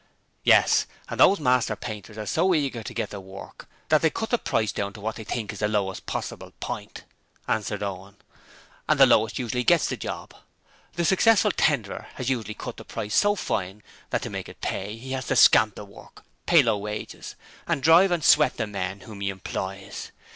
'Yes; and those master painters are so eager to get the work that they cut the price down to what they think is the lowest possible point,' answered Owen, 'and the lowest usually gets the job. The successful tenderer has usually cut the price so fine that to make it pay he has to scamp the work, pay low wages, and drive and sweat the men whom he employs.